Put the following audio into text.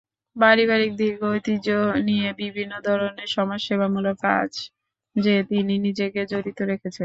পারিবারিক দীর্ঘ ঐতিহ্য নিয়ে বিভিন্ন ধরনের সমাজসেবামূলক কাজে তিনি নিজেকে জড়িত রেখেছেন।